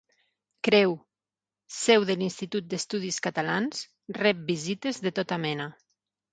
Creu, seu de l'Institut d'Estudis Catalans, rep visites de tota mena.